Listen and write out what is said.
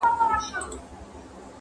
ګورئ تر خلوته چي خُمونه غلي غلي وړي.”.